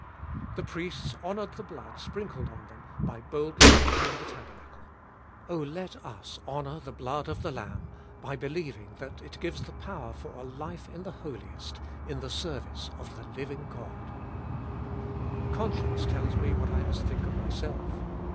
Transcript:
2. The priests honoured the blood sprinkled on them by boldly entering the tabernacle. Oh let us honour the blood of the Lamb by believing that it gives the power for a life in the Holiest, in the service of the living God I 3. Conscience tells me what I must think of myself